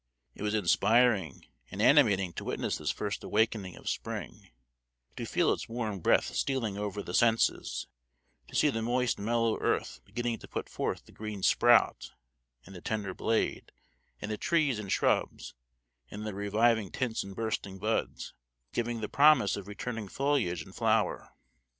It was inspiring and animating to witness this first awakening of spring; to feel its warm breath stealing over the senses; to see the moist mellow earth beginning to put forth the green sprout and the tender blade, and the trees and shrubs, in their reviving tints and bursting buds, giving the promise of returning foliage and flower.